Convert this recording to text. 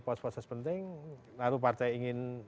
pos pos penting lalu partai ingin